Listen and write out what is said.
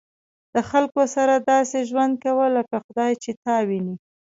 د خلکو سره داسې ژوند کوه لکه خدای چې تا ویني.